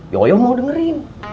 yoyo mau dengerin